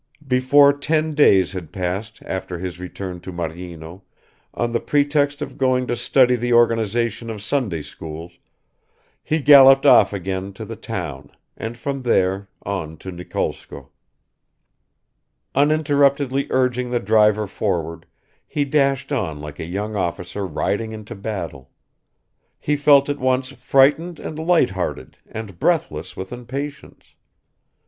Before ten days had passed after his return to Maryino, on the pretext of going to study the organization of Sunday schools, he galloped off again to the town, and from there on to Nikolskoe. Uninterruptedly urging the driver forward, he dashed on like a young officer riding into battle; he felt at once frightened and lighthearted and breathless with impatience.